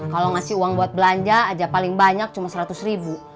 kalau ngasih uang buat belanja aja paling banyak cuma seratus ribu